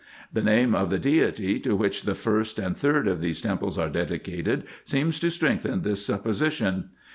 The name of the deity, to which the first and third of these temples are dedicated, seems to strengthen this supposition.